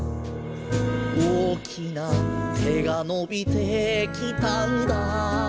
「おおきな手がのびてきたんだ」